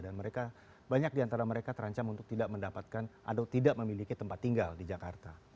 dan mereka banyak diantara mereka terancam untuk tidak mendapatkan atau tidak memiliki tempat tinggal di jakarta